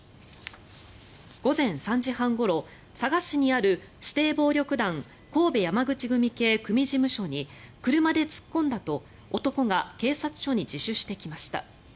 午前３時半ごろ、佐賀市にある指定暴力団神戸山口組系組事務所に車で突っ込んだと男が警察署に自首してきました。